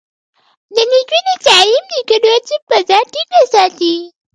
د نجونو تعليم د ګډو هڅو فضا ټينګه ساتي.